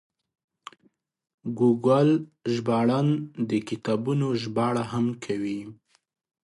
ګوګل ژباړن د کتابونو ژباړه هم کوي.